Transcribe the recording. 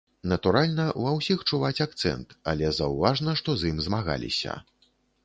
Натуральна, ва ўсіх чуваць акцэнт, але заўважна, што з ім змагаліся.